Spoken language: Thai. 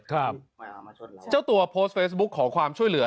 ครับเจ้าตัวโพสต์เฟซบุ๊คขอความช่วยเหลือ